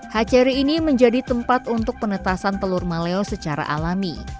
hachery ini menjadi tempat untuk penetasan telur maleo secara alami